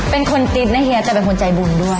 เป็นคนติ๊ดนะเฮียแต่เป็นคนใจบุญด้วย